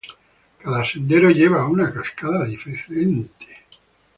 Cada sendero lleva a una cascada diferente.